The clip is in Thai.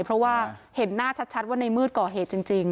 เพราะว่าเห็นหน้าชัดว่าในมืดก่อเหตุจริง